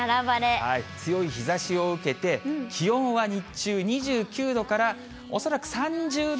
強い日ざしを受けて、気温は日中、２９度から、恐らく３０度